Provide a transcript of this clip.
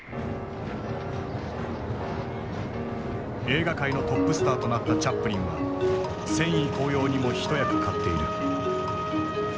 映画界のトップスターとなったチャップリンは戦意高揚にも一役買っている。